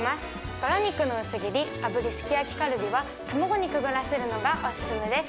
バラ肉の薄切り炙りすき焼カルビは卵にくぐらせるのがオススメです。